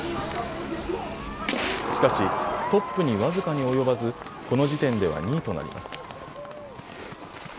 しかしトップに僅かに及ばずこの時点では２位となります。